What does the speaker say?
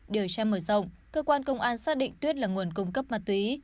điều tra mở rộng cơ quan công an xác định tuyết là nguồn cung cấp ma túy